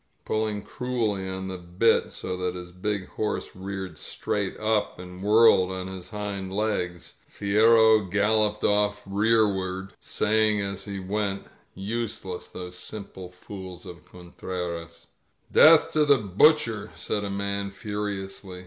Pulling cruelly on the bit, so that his big horse reared strai^t up and whirled on his hind legs, Fierro galloped off rearward, saying as he went, ^Useless, those simple fools of Con treras " '^eath to the Butcher f said a man furiously.